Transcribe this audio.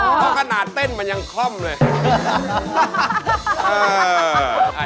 เพราะขนาดเต้นมันยังคล่อมเลย